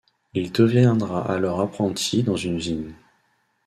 Il deviendra alors apprenti dans une usine.